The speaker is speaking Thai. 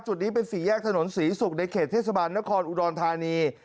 จุดนี้เป็นสี่แยกถนนศรีศุกร์ในเขตเทศบาลนครอุดรธานี